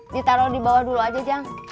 ditaro dibawah dulu aja jang